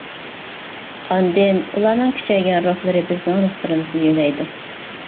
ئاندىن ئۇلارنىڭ كۈچەيگەن روھلىرى بىزنىڭ روھلىرىمىزنى يۆلەيدۇ.